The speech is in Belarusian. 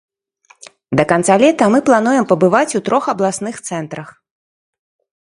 Да канца лета мы плануем пабываць у трох абласных цэнтрах.